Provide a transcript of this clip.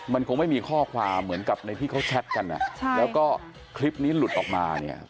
มันคงไม่มีข้อความเหมือนกับในที่เขาแชทกันแล้วก็คลิปนี้หลุดออกมาเนี่ย